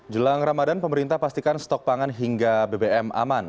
jelang ramadan pemerintah pastikan stok pangan hingga bbm aman